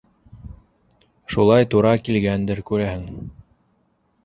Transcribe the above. Шулай тура килгәндер, күрәһең.